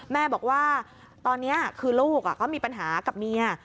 แม่บอกว่าตอนนี้คือลูกก็มีปัญหากับเมีย